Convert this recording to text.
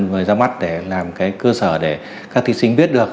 vừa ra mắt để làm cái cơ sở để các thí sinh biết được